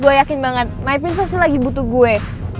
gue yakin banget my pink pasti lagi butuh gue